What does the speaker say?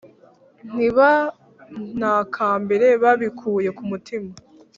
Ntibantakambira babikuye ku mutima;